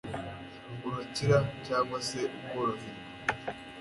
urakira cyangwa se ukoroherwa.